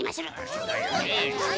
そうだよねえ。